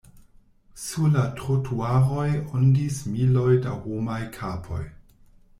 Sur la trotuaroj ondis miloj da homaj kapoj.